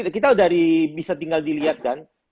kita dari bisa tinggal dilihat kan